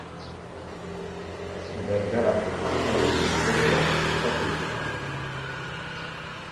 Bergarako Errege Mintegian ikasi zuen.